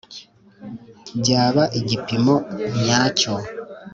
byaba igipimo nyacyo,